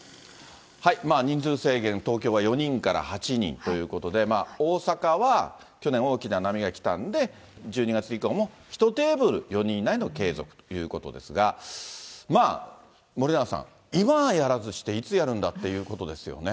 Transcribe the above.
人数制限、東京は４人から８人ということで、大阪は去年、大きな波が来たんで、１２月以降も、１テーブル４人以内を継続ということですが、森永さん、今やらずして、いつやるんだっていうことですよね。